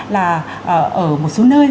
là ở một số nơi